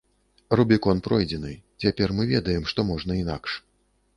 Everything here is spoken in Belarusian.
Рубікон пройдзены, цяпер мы ведаем, што можна інакш.